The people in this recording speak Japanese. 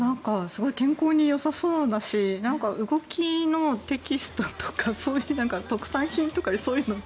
すごい健康によさそうだし動きのテキストとかそういう特産品とかそういうのが。